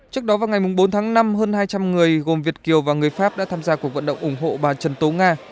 trước đó vào ngày bốn tháng năm hơn hai trăm linh người gồm việt kiều và người pháp đã tham gia cuộc vận động ủng hộ bà trần tố nga